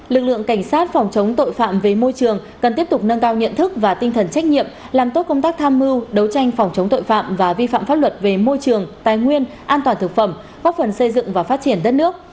lực lượng cảnh sát phòng chống tội phạm về môi trường cần tiếp tục nâng cao nhận thức và tinh thần trách nhiệm làm tốt công tác tham mưu đấu tranh phòng chống tội phạm và vi phạm pháp luật về môi trường tài nguyên an toàn thực phẩm góp phần xây dựng và phát triển đất nước